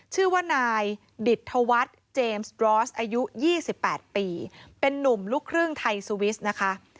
ชื่อว่านายดิตธวัฒน์เจมส์รอสอายุ๒๘ปีเป็นนุ่มลูกครึ่งไทยสวิสนะคะ